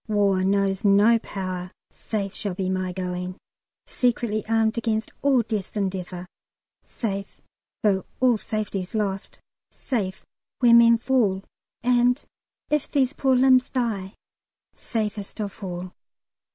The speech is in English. War knows no power. Safe shall be my going, Secretly armed against all death's endeavour. Safe though all safety's lost; safe where men fall; And if these poor limbs die, safest of all."